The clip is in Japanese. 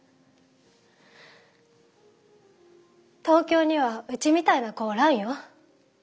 東京にはうちみたいな子おらんよ。